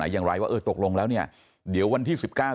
ทางคุณชัยธวัดก็บอกว่าการยื่นเรื่องแก้ไขมาตรวจสองเจน